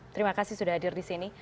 terima kasih sudah hadir di sini